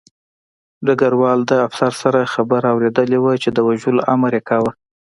ډګروال د افسر خبره اورېدلې وه چې د وژلو امر یې کاوه